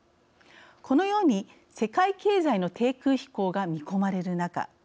このように世界経済の低空飛行が見込まれる中